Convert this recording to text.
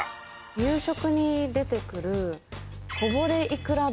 夕食に出てくる。